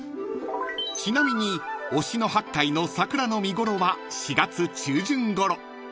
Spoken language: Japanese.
［ちなみに忍野八海の桜の見頃は４月中旬ごろ］